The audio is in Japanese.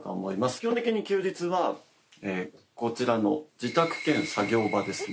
基本的に休日はこちらの自宅兼作業場ですね